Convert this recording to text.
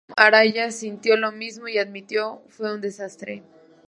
El vocalista Tom Araya sintió lo mismo y admitió; "fue un desastre.